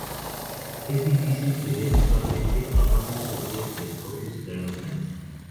Es difícil de ver visualmente, normalmente requiere telescopios de gran alcance.